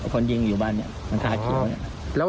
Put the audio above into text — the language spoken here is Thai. คนยิงอยู่บ้านเนี่ยมันตาเขียวเนี่ย